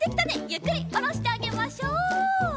ゆっくりおろしてあげましょう。